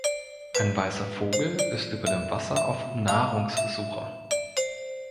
Ein weißer Vogel ist über dem Wasser auf Nahrungssuche